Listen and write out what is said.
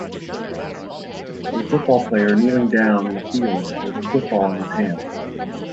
A football player kneeling down in a field with a football in his hands